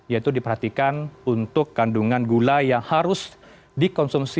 yaitu diperhatikan untuk kandungan gula yang harus dikonsumsi